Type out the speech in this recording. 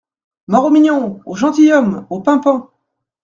Mort au mignon !… au gentilhomme !… au pimpant !